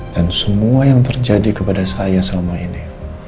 dan semua yang terjadi kepada saya selama ini